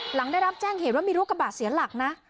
หลังได้รับแจ้งเหตุว่ามีรถกระบะเสียหลักนะ